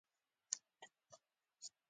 ښایست له اخلاقو سره مل وي